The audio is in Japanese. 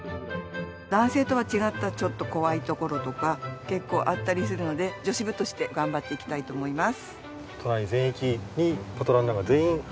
男性とは違ったちょっと怖い所とか結構あったりするので女子部として頑張っていきたいと思います。